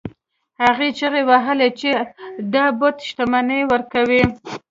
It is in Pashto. هغه چیغې وهلې چې دا بت شتمني ورکوي.